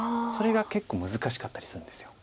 それが結構難しかったりするんです。